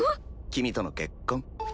君との結婚。